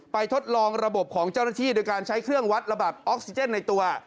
ทดลองระบบของเจ้าหน้าที่โดยการใช้เครื่องวัดระดับออกซิเจนในตัว